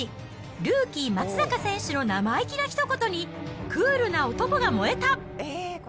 ルーキー、松坂選手の生意気なひと言に、クールな男が燃えた。